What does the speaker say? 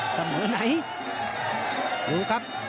เสมอไหนดูครับ